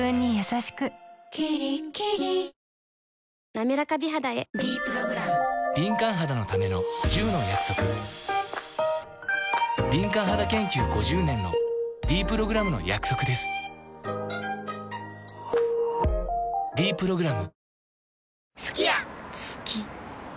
なめらか美肌へ「ｄプログラム」敏感肌研究５０年のｄプログラムの約束です「ｄプログラム」